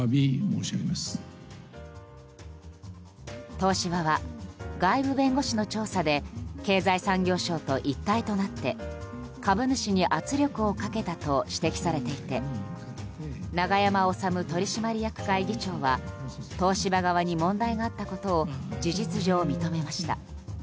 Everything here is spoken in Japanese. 東芝は外部弁護士の調査で経済産業省と一体となって株主に圧力をかけたと指摘されていて永山治取締役会議長は東芝側に問題があったことを事実上、認めました。